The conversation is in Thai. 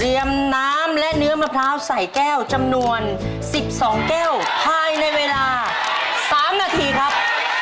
น้ำและเนื้อมะพร้าวใส่แก้วจำนวน๑๒แก้วภายในเวลา๓นาทีครับ